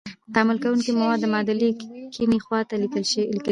تعامل کوونکي مواد د معادلې کیڼې خواته لیکل کیږي.